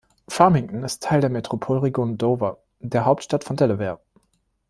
Farmington ist Teil der Metropolregion Dover, der Hauptstadt von Delaware.